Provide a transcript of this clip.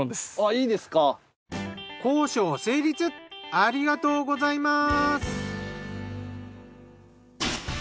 ありがとうございます。